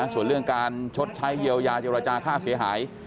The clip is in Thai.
ส่วนเรื่องการชดใช้เยียวยาเจรจาค่าเสียหาย